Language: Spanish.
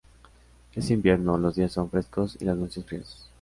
En invierno, los días son frescos y las noches frías.